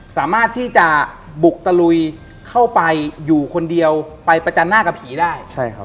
สามารถที่จะบุกตะลุยเข้าไปอยู่คนเดียวไปประจันหน้ากับผีได้ใช่ครับ